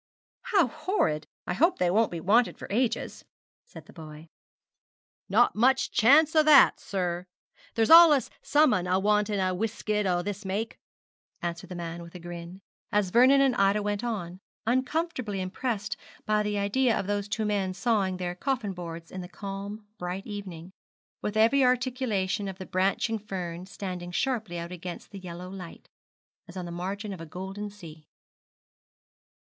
'How horrid! I hope they won't be wanted for ages,' said the boy. 'Not much chance o' that, sir; there's allus summun a wantin' a weskit o' this make,' answered the man, with a grin, as Vernon and Ida went on, uncomfortably impressed by the idea of those two men sawing their coffin boards in the calm, bright evening, with every articulation of the branching fern standing sharply out against the yellow light, as on the margin of a golden sea.